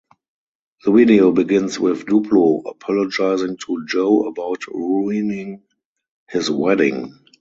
The video begins with Diplo apologizing to Joe about "ruining" his wedding.